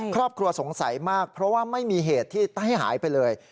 ครอบครัวสงสัยมากเพราะว่าไม่มีเหตุที่ให้หายไปเลย